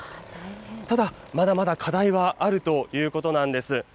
ただ、まだまだ課題はあるということなんです。